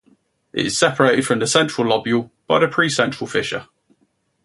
It is separated from the central lobule by the pre-central fissure.